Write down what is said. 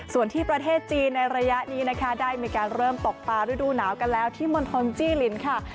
ส่วนที่ประเทศจีนในระยะนี้นะคะได้มีการเริ่มตกปลาฤดูหนาวกันแล้วที่มณฑลจี้ลินค่ะ